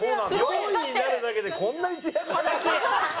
４位になるだけでこんなにつやつやに？